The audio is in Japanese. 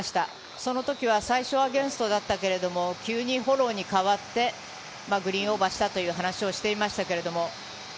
その時は最初、アゲンストだったけれども、急にフォローに変わって、グリーンオーバーしたという話をしていました。